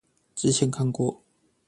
之前看過